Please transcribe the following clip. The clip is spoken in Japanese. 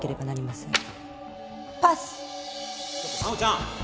ちょっと直ちゃん。